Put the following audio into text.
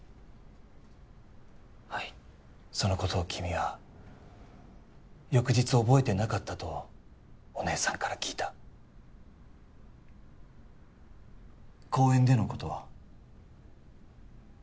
はいそのことを君は翌日覚えてなかったとお姉さんから聞いた公園でのことは？